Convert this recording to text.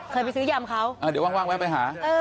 เคยไปซื้อยำเขาเดี๋ยวว่างแวะไปหา